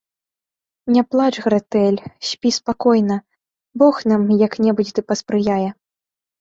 - Не плач, Грэтэль, спі спакойна, Бог нам як-небудзь ды паспрыяе